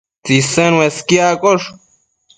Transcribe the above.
Tsisen uesquiaccosh